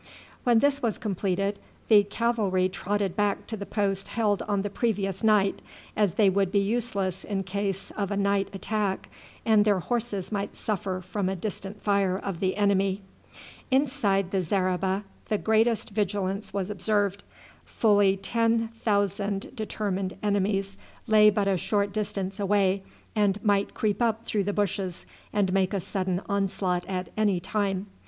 When this was completed the cavalry trotted back to the post held on the previous night, as they would be useless in case of a night attack, and their horses might suffer from a distant fire of the enemy. Inside the zareba the greatest vigilance was observed. Fully ten thousand determined enemies lay but a short distance away, and might creep up through the bushes and make a sudden onslaught at any time.